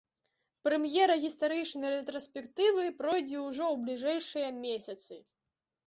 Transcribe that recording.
Прэм'ера гістарычнай рэтраспектывы пройдзе ўжо ў бліжэйшыя месяцы.